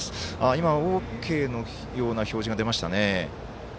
今、ＯＫのような表示が出ました。